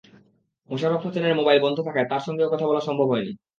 মোশারফ হোসেনের মোবাইল বন্ধ থাকায় তাঁর সঙ্গেও কথা বলা সম্ভব হয়নি।